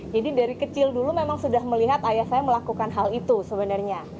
jadi dari kecil dulu memang sudah melihat ayah saya melakukan hal itu sebenarnya